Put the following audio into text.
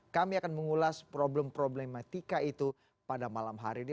kami akan mengulas problem problematika itu pada malam hari ini